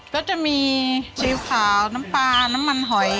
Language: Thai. ก็จะมีสีขาวน้ำปลาน้ำมันหอย